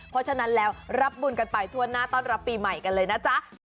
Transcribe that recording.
เพราะฉะนั้นแล้วรับบุญกันไปทั่วหน้าต้อนรับปีใหม่กันเลยนะจ๊ะ